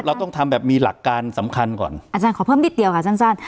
เราต้องทำแบบมีหลักการสำคัญก่อนอาจารย์ขอเพิ่มนิดเดียวค่ะสั้นสั้น